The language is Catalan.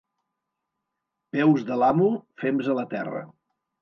Peus de l'amo, fems a la terra.